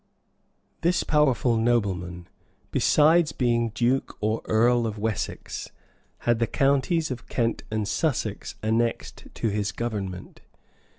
] This powerful nobleman, besides being duke or earl of Wessex, had the counties of Kent and Sussex annexed to his government.